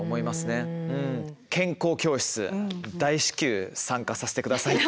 健康教室大至急参加させて下さいって。